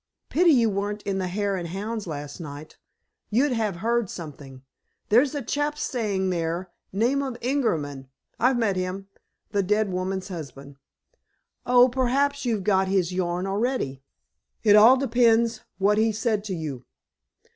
Pity you weren't in the Hare and Hounds last night. You'd have heard something. There's a chap staying there, name of Ingerman—" "I've met him. The dead woman's husband." "Oh, perhaps you've got his yarn already?" "It all depends what he said to you."